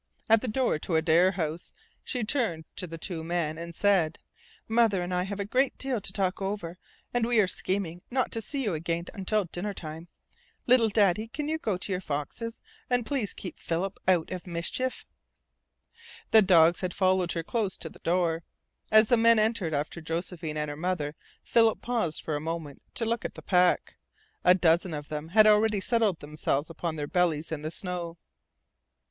At the door to Adare House she turned to the two men, and said: "Mother and I have a great deal to talk over, and we are scheming not to see you again until dinner time. Little Daddy, you can go to your foxes. And please keep Philip out of mischief." The dogs had followed her close to the door. As the men entered after Josephine and her mother, Philip paused for a moment to look at the pack. A dozen of them had already settled themselves upon their bellies in the snow.